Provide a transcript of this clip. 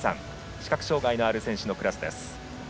視覚障がいのある選手のクラス。